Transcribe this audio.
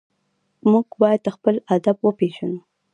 موږ باید خپل ادب وپېژنو.